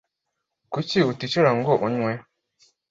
Kuki uticara ngo unywe